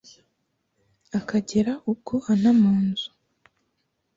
akagera ubwo anta mu nzu.